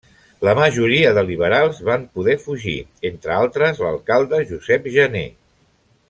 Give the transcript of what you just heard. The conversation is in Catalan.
La majoria de liberals van poder fugir, entre altres, l'alcalde Josep Janer.